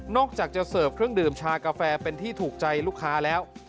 อกจากจะเสิร์ฟเครื่องดื่มชากาแฟเป็นที่ถูกใจลูกค้าแล้ว